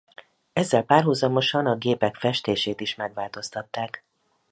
Ezzel párhuzamosan a gépek festését is megváltoztatták.